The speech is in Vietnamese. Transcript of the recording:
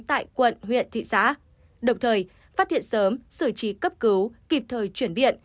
tại quận huyện thị xã đồng thời phát hiện sớm sử trí cấp cứu kịp thời chuyển biện